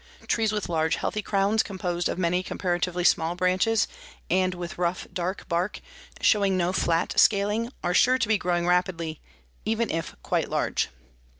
Trees with large, healthy crowns composed of many comparatively small branches, and with rough dark bark showing no flat scaling, are sure to be growing rapidly, even if quite large.